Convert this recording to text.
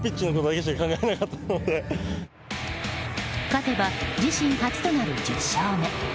勝てば自身初となる１０勝目。